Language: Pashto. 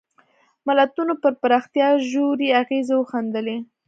ملتونو پر پراختیا ژورې اغېزې وښندلې.